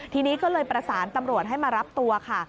ทีนี้ก็เลยประสานตำรวจให้มารับตัวค่ะ